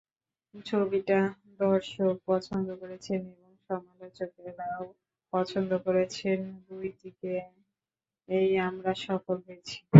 ছবিটা দর্শক পছন্দ করেছেন এবং সমালোচকেরাও পছন্দ করেছেন—দুই দিকেই আমরা সফল হয়েছি।